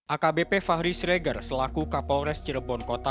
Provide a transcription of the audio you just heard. akbp fahri sregar selaku kapolres cirebon kota